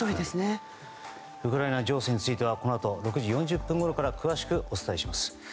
ウクライナ情勢についてはこのあと６時４０分ごろから詳しくお伝えします。